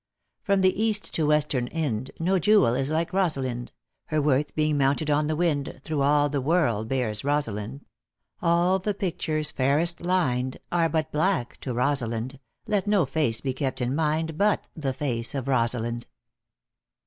} From the east to western Ind, No jewel is like Rosalind, Her worth being mounted on the wind, Through all the world bears Rosalind, All the pictures fairest lined, Are but black to Rosalind, Let no face be kept in mind, But the face of Rosalind.